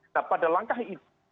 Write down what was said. nah pada langkah itu